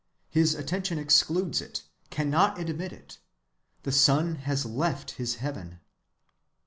His attention excludes it, cannot admit it: the sun has left his heaven.